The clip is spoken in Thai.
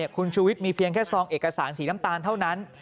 คุณชูวิทย์มีเพียงแค่ซองเอกสารสีน้ำตาลเท่านั้น